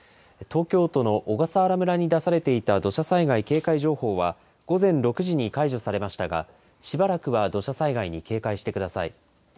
東京都の小笠原村に出されていた土砂災害警戒情報は、午前６時に解除されましたが、しばらくは土砂災害に警戒してください。